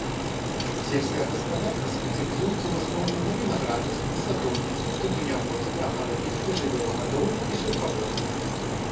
Сельская гаспадарка спецыялізуецца ў асноўным на вінаградарстве, садоўніцтве, тытуняводстве, агародніцтве, жывёлагадоўлі і шаўкаводстве.